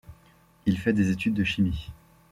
Il fait des études de chimie.